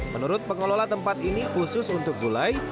menurut pengelola tempat ini khusus untuk gulai